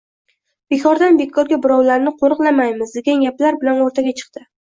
bekordan bekorga birovlarni qo‘riqlamaymiz» degan gaplar bilan o‘rtaga chiqdi.